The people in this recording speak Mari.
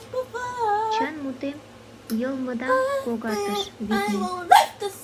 Чын мутем йылмыдам когартыш, витне.